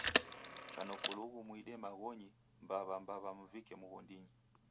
Cha noko lughu muide maghonyi mbaw'a-mba'wa muvike mghondinyi.